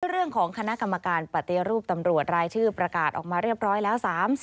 เรื่องของคณะกรรมการปฏิรูปตำรวจรายชื่อประกาศออกมาเรียบร้อยแล้ว๓๐